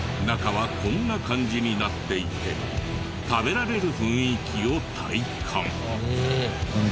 中はこんな感じになっていて食べられる雰囲気を体感。